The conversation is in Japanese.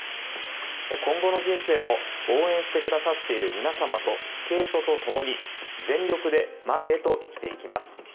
今後の人生も応援してくださっている皆様とスケートと共に全力で前へと生きていきます。